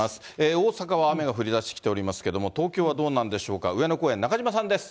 大阪は雨が降りだしてきておりますけれども、東京はどうなんでしょうか、上野公園、中島さんです。